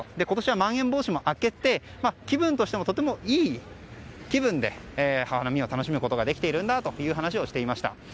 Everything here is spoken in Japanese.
今年は、まん延防止も明けて気分としても、とてもいい気分で花見を楽しむことができていると話をしていました。